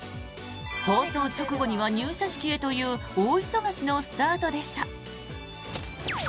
放送直後には入社式へという大忙しのスタートでした。